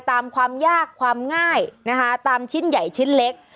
ความยากความง่ายนะคะตามชิ้นใหญ่ชิ้นเล็ก